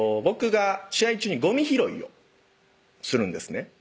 僕が試合中にゴミ拾いをするんですね